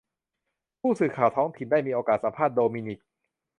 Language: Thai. ผู้สื่อข่าวท้องถิ่นได้มีโอกาสสัมภาษณ์โดมินิก